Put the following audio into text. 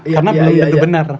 karena belum benar